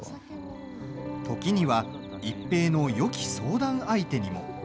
時には一平のよき相談相手にも。